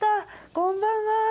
こんばんは。